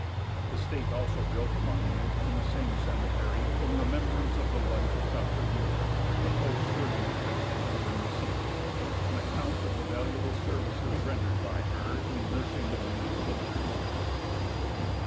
The state also built a monument in the same cemetery in remembrance of the wife of Dr. Muller, the post surgeon at Ridgely during the siege, on account of the valuable services rendered by her in nursing the wounded soldiers.